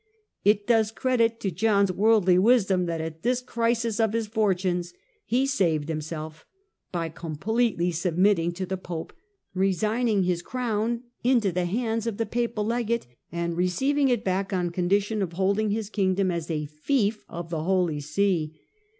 It does credit to John's worldly wisdom that at this crisis of his fortunes he saved himself by completely submitting to the Pope, resigning his crown into the hands of the papal legate and receiving it back on condition of holding his kingdom as a fief of the Holy See.